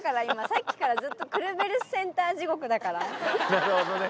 なるほどね